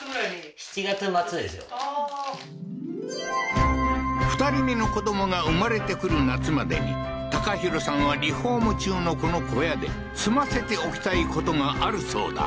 ああー２人目の子供が生まれてくる夏までに隆浩さんはリフォーム中のこの小屋で済ませておきたい事があるそうだ